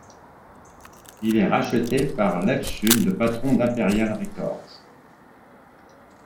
Il est racheté par Lew Chudd, le patron d'Imperial Records.